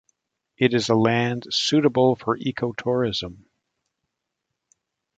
It is a land suitable for ecotourism.